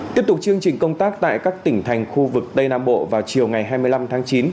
tiếp tục chương trình công tác tại các tỉnh thành khu vực tây nam bộ vào chiều ngày hai mươi năm tháng chín